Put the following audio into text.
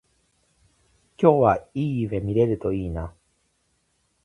今日はいい夢見れるといいな